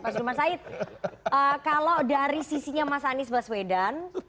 pak sudirman said kalau dari sisinya mas anies baswedan